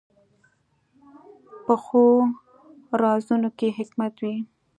پخو رازونو کې حکمت وي